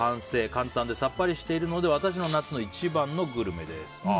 簡単でさっぱりしているので私の夏の一番のグルメです。